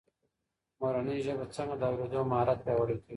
مورنۍ ژبه څنګه د اورېدو مهارت پياوړی کوي؟